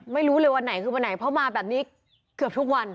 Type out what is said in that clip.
ไม่รู้เลยวันไหนคือวันไหนเพราะมาแบบนี้เกือบทุกวัน